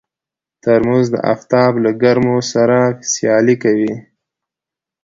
ترموز د افتاب له ګرمو سره سیالي کوي.